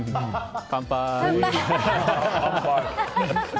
乾杯！